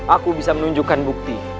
aku bisa menunjukkan bukti